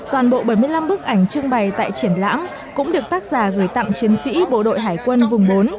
toàn bộ bảy mươi năm bức ảnh trưng bày tại triển lãm cũng được tác giả gửi tặng chiến sĩ bộ đội hải quân vùng bốn